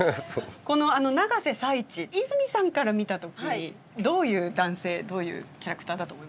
この永瀬財地泉さんから見た時にどういう男性どういうキャラクターだと思います？